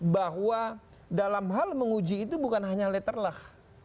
bahwa dalam hal menguji itu bukan hanya letter lah